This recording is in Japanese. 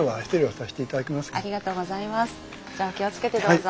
じゃお気を付けてどうぞ。